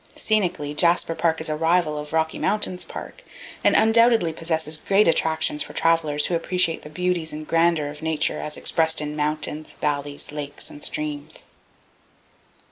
Scenically, Jasper Park is a rival of Rocky Mountains Park, and undoubtedly possesses great attractions for travellers who appreciate the beauties and grandeur of Nature as expressed in mountains, valleys, lakes and streams.